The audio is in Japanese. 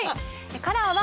カラーは。